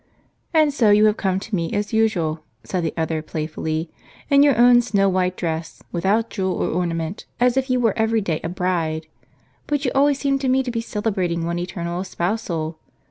" And so you have come to me as usual," said the other playfully, "in your own snow white dress, without jewel or ornament, as if you were every day a bride. You always seem to me to be celebrating one eternal espousal.